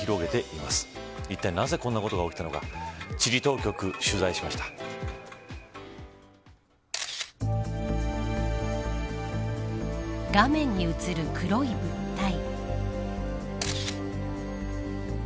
いったい、なぜ、こんなことが起きたのか画面に映る黒い物体。